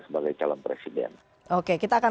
sebagai calon presiden oke kita akan